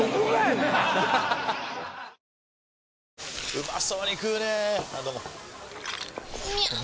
うまそうに食うねぇあどうもみゃう！！